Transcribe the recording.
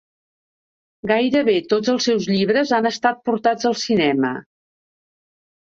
Gairebé tots els seus llibres han estat portats al cinema.